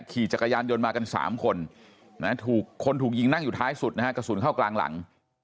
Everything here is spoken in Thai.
ขี่จักรยานยนต์มากัน๓คนถูกคนถูกยิงนั่งอยู่ท้ายสุดนะฮะกระสุนเข้ากลางหลัง